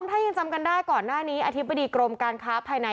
ถ้ายังจำกันได้ก่อนหน้านี้อธิบดีกรมการค้าภายใน